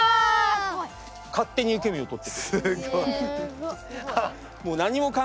勝手に受け身を取ってくれる。